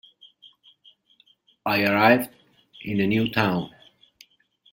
I arrived in the new town.